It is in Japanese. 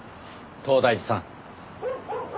東大寺さん。